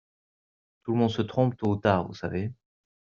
Tout le monde se trompe tôt ou tard, vous savez.